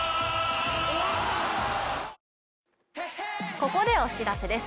ここでお知らせです。